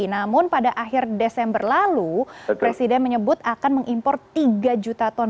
namun pada akhir desember lalu presiden menyebut akan mengimpor tiga juta ton